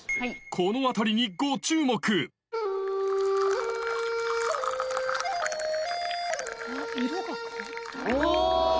この辺りにご注目うわぁ！